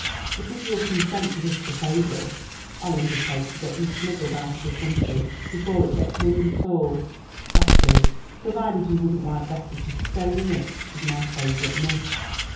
But if you'll cohsent to this proposal, I'll undertake to getyou smuggled out of the country before it gets wind at all, — ^^that is, provided you wouldn't like better to stay in it as my favourite miss."